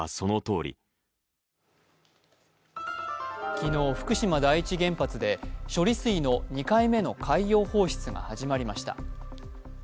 昨日、福島第一原発で処理水の２回目の海洋放出が始まりました。